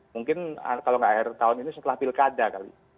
mungkin kalau nggak akhir tahun ini setelah pilkada kali